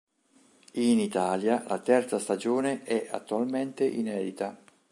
In Italia la terza stagione è attualmente inedita.